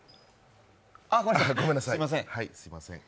あっ、すいません。